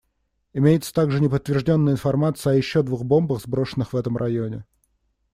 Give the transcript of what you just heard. Имеется также неподтвержденная информация о еще двух бомбах, сброшенных в этом районе.